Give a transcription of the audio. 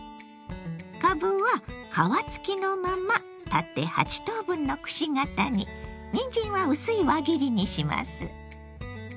かぶは皮付きのまま縦８等分のくし形ににんじんは薄い輪切りにします。